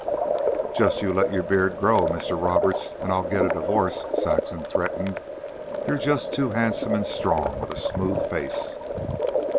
"Just you let your beard grow, Mister Roberts, and I'll get a divorce," Saxon threatened. "You're just too handsome and strong with a smooth face.